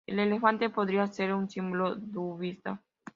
El elefante podría ser un símbolo budista.